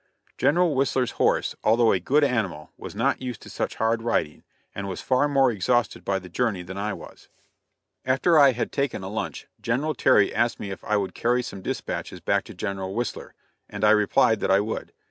General Whistler's horse, although a good animal, was not used to such hard riding, and was far more exhausted by the journey than I was. After I had taken a lunch, General Terry asked me if I would carry some dispatches back to General Whistler, and I replied that I would.